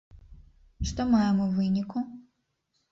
Што маем у выніку?